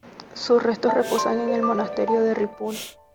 Sus restos reposan en el Monasterio de Ripoll.